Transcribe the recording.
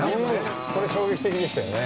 これ衝撃的でしたよね。